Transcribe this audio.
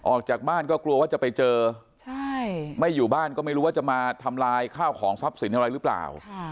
ออกจากบ้านก็กลัวว่าจะไปเจอไม่อยู่บ้านก็ไม่รู้ว่าจะมาทำลายข้าวของทรัพย์สินอะไรหรือเปล่า